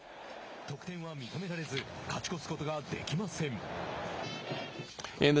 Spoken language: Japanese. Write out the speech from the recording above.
得点は認められず勝ち越すことができません。